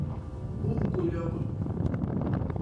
Ūguļova.